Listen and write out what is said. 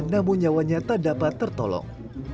namun nyawanya tak dapat tertolong